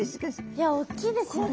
いやおっきいですよね。